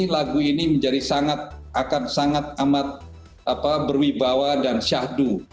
lagu ini akan sangat amat berwibawa dan syahdu